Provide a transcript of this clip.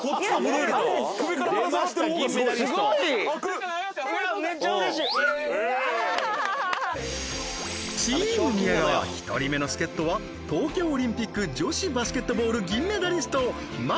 イエーイチーム宮川１人目の助っ人は東京オリンピック女子バスケットボール銀メダリスト馬瓜